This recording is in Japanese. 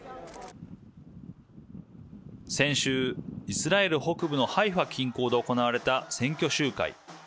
先週、イスラエル北部のハイファ近郊で行われた選挙集会。